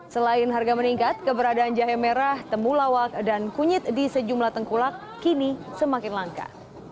selain harga meningkat keberadaan jahe merah temulawak dan kunyit di sejumlah tengkulak kini semakin langka